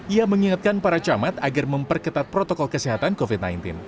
ia mengingatkan para camat agar memperketat protokol kesehatan covid sembilan belas